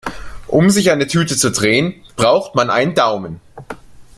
Um sich eine Tüte zu drehen, braucht man einen Daumen.